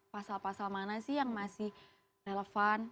pasal pasal mana sih yang masih relevan